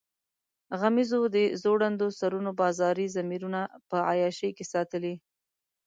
غمیزو د ځوړندو سرونو بازاري ضمیرونه په عیاشۍ کې ساتلي.